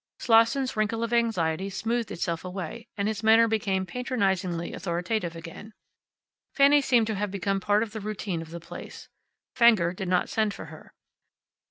Slosson's wrinkle of anxiety smoothed itself away, and his manner became patronizingly authoritative again. Fanny seemed to have become part of the routine of the place. Fenger did not send for her.